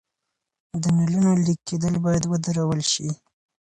د نلونو لیک کیدل باید ودرول شي.